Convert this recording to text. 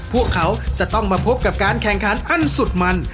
พวกเขาจะต้องมาพบกับการแข่งขันอันสุดมัน